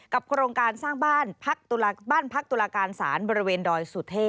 กับโครงการสร้างบ้านบ้านพักตุลาการศาลบริเวณดอยสุทธิกษ์